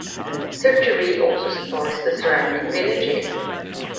The surgery also supports the surrounding villages.